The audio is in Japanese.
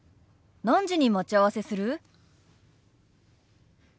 何時に待ち合わせする？